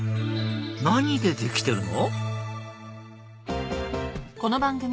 何でできてるの？